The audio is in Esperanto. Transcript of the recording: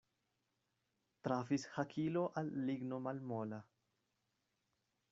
Trafis hakilo al ligno malmola.